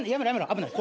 危ない。